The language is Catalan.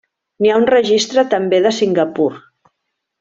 N'hi ha un registre també de Singapur.